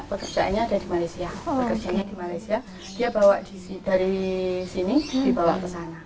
pekerjaannya ada di malaysia dia bawa dari sini dibawa ke sana